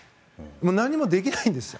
何もできないんですよ。